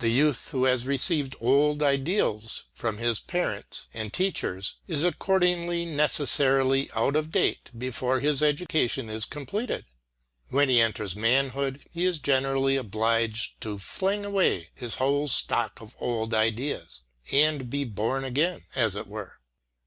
The youth who has received old ideals from his parents and teachers is accordingly necessarily out of date before his education is completed. When he enters manhood, he is generally obliged to fling away his whole stock of old ideas, and be born again, as it were.